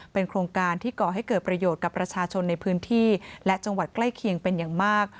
เป็นโครงการที่ก่อให้เกิดประโยชน์กับประชาชนในพื้นที่และจังหวัดใกล้เคียงเป็นอย่างมาก